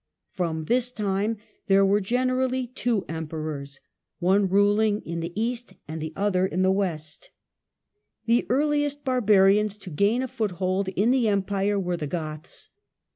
From this time there were generally two emperors, one ruling in the East and the other in the West. The Goths The earliest barbarians to gain a foothold in the Empire were the Goths.